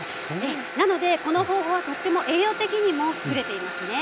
なのでこの方法はとっても栄養的にも優れていますね。